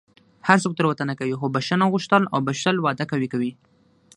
هر څوک تېروتنه کوي، خو بښنه غوښتل او بښل واده قوي کوي.